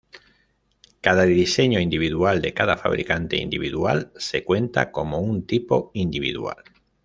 Cada diseño individual de cada fabricante individual se cuenta como un tipo individual.